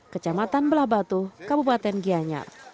kecamatan belabatu kabupaten giyanya